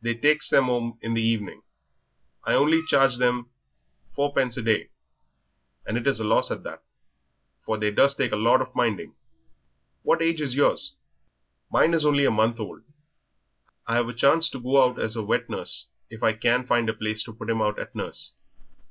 They takes them 'ome in the evening. I only charges them four pence a day, and it is a loss at that, for they does take a lot of minding. What age is yours?" "Mine is only a month old. I've a chance to go out as wet nurse if I can find a place to put him out at nurse.